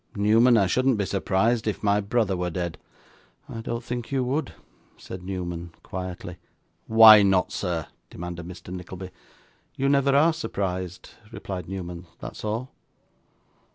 Newman, I shouldn't be surprised if my brother were dead.' 'I don't think you would,' said Newman, quietly. 'Why not, sir?' demanded Mr. Nickleby. 'You never are surprised,' replied Newman, 'that's all.